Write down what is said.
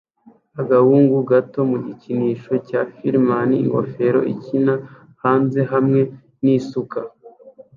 Agahungu gato mu gikinisho cya fireman ingofero ikina hanze hamwe nisuka